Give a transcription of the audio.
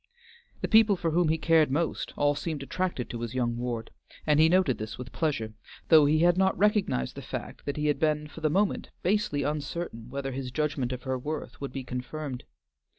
The people for whom he cared most, all seemed attracted to his young ward, and he noted this with pleasure, though he had not recognized the fact that he had been, for the moment, basely uncertain whether his judgment of her worth would be confirmed.